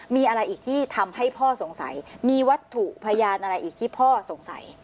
มีอะไรอีกที่ทำให้พ่อสงสัยมีวัตถุพยานอะไรอีกที่พ่อสงสัย